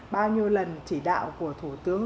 bao nhiêu lần chỉ đạo của thủ tướng